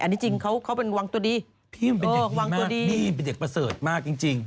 อันนี้จริงเขาเป็นวางตัวดีวางตัวดีพี่มันเป็นอย่างนี้มากมีมเป็นเด็กประเสริฐมากจริง